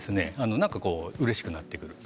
なんかうれしくなってくる。